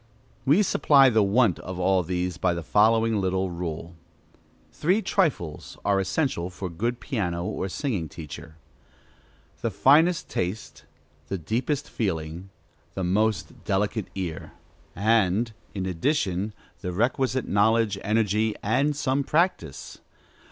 We supply the want of all these by the following little rule: Three trifles are essential for a good piano or singing teacher, The finest taste, The deepest feeling, The most delicate ear, and, in addition, the requisite knowledge, energy, and some practice.